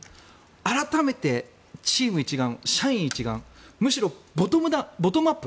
改めてチーム一丸、社員一丸むしろ、ボトムアップ。